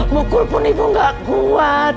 mukul pun ibu gak kuat